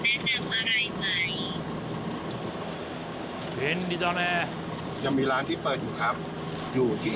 便利だね！